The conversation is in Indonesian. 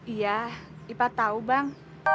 iya ipah tau bang